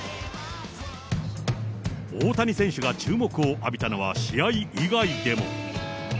大谷選手が注目を浴びたのは、試合以外でも。